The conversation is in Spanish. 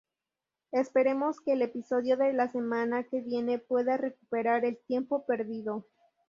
Esperemos que el episodio de la semana que viene pueda recuperar el tiempo perdido".